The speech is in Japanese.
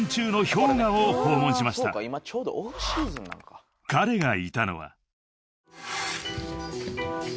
［彼がいたのは］